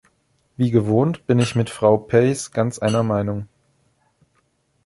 Wie gewohnt, bin ich mit Frau Peijs ganz einer Meinung.